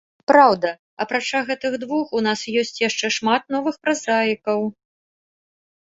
Праўда, апрача гэтых двух, у нас ёсць яшчэ шмат новых празаікаў.